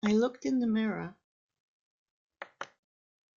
I looked in the mirror.